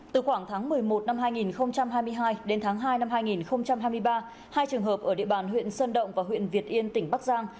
từ khoảng tháng một mươi một năm hai nghìn hai mươi hai đến tháng hai năm hai nghìn hai mươi ba hai trường hợp ở địa bàn huyện sơn động và huyện việt yên tỉnh bắc giang